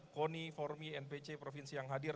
koni formi npc provinsi yang hadir